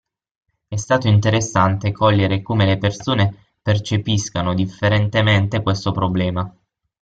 E' stato interessante cogliere come le persone percepiscano differentemente questo problema.